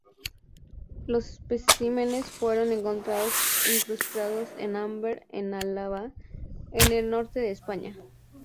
Los especímenes fueron encontrados incrustados en ámbar en Álava, en el norte de España.